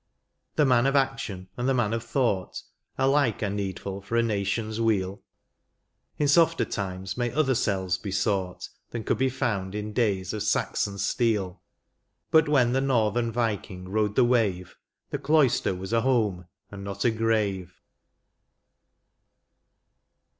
The man of action, and the man of thought Alike are needful for a nation s weal ; In softer times may other cells be sought Than could be found in days of Saxon steel, But when the northern vi king rode the wave. The cloister was a home, and not a grave.